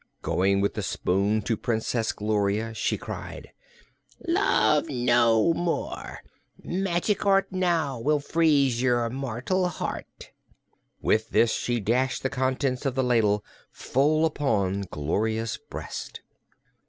Going with the spoon to Princess Gloria she cried: "Love no more! Magic art Now will freeze your mortal heart!" With this she dashed the contents of the ladle full upon Gloria's breast.